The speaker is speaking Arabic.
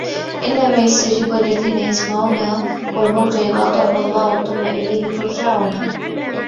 إنما يستجيب الذين يسمعون والموتى يبعثهم الله ثم إليه يرجعون